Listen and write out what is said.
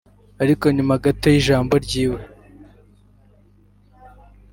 Ariko inyuma gato y'ijambo ryiwe